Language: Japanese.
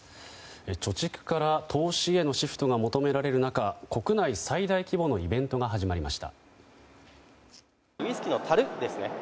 貯蓄から投資へのシフトが求められる中国内最大規模のイベントが始まりました。